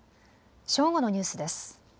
正午のニュースです。